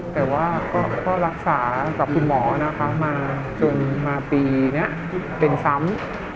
แต่ว่าก็รักษากับคุณหมอนะคะมาจนมาปีนี้เป็นซ้ำ